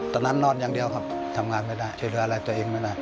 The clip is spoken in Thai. นอนอย่างเดียวครับทำงานไม่ได้ช่วยเหลืออะไรตัวเองไม่ได้